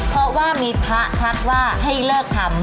เพราะว่ามีพระทักว่าให้เลิกทำ